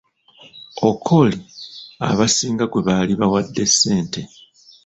Okori abasinga gwe baali bawadde ssente.